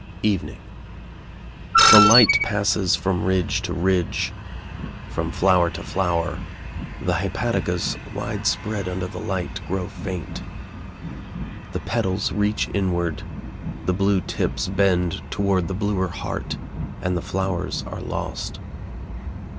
EVENING The light passes from ridge to ridge, from flower to flower the hypaticas, wide spread under the light grow faint the petals reach inward, the blue tips bend toward the bluer heart and the flowers are lost.